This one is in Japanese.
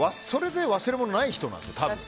それで忘れ物ない人なんですよ。